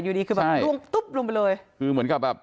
อยู่ดีคือแบบร่วงตุ๊บลงไปเลยคือเหมือนกับแบบ